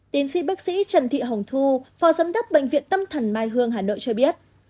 tiến sĩ bác sĩ trần thị hồng thu phó giám đốc bệnh viện tâm thần mai hương hà nội cho biết